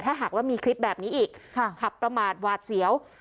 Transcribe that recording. ถ้าหากว่ามีคลิปแบบนี้อีกขับประมาทหวาดเสียว